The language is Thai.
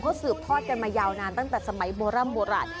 เขาสืบทอดกันมายาวนานตั้งแต่สมัยโบร่ำโบราณ